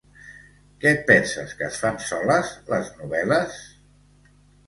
¿Que et penses que es fan soles, les novel·les?